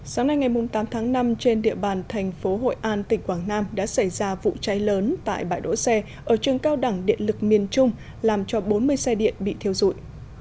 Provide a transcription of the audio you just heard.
sáng nay ngày tám tháng năm trên địa bàn thành phố hội an tỉnh quảng nam đã xảy ra vụ cháy lớn tại bãi đỗ xe ở trường cao đẳng điện lực miền trung làm cho bốn mươi xe điện bị thiêu dụi